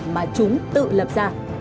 mà chúng tự lập ra